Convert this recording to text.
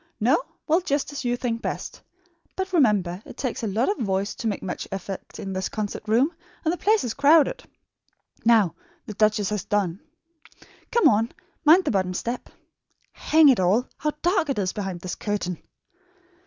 No? Well, just as you think best. But remember, it takes a lot of voice to make much effect in this concert room, and the place is crowded. Now the duchess has done. Come on. Mind the bottom step. Hang it all! How dark it is behind this curtain!"